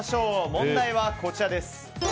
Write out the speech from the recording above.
問題は、こちらです。